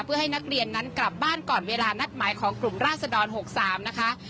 เพื่อให้นักเรียนนั้นกลับบ้านก่อนเวลานัดหมายของกลุ่มราศดร๖๓นะคะ